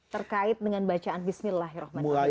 terkait dengan bacaan bismillahirrahmanirrahim